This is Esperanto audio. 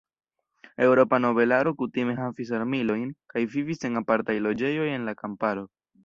Eŭropa nobelaro kutime havis armilojn kaj vivis en apartaj loĝejoj en la kamparo.